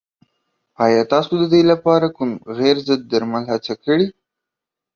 ایا تاسو د دې لپاره کوم غیر ضد درمل هڅه کړې؟